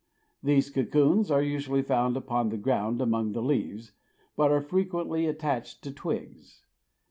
These cocoons are usually found upon the ground among the leaves, but are frequently attached to twigs.